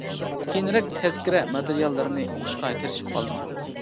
كېيىنرەك تەزكىرە ماتېرىياللىرىنى ئوقۇشقا كىرىشىپ قالدىم.